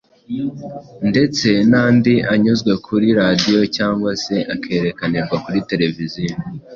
ndetse n’andi anyuzwa kuri radiyo cyangwa se akerekanirwa kuri tereviziyo.